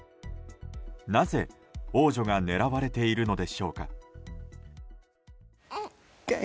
なぜ王女が狙われているのでしょうか。